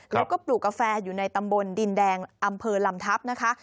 แล้วก็ปลูกกาแฟอยู่ในตำบลดินแดงอำเภอลำทัพนะคะ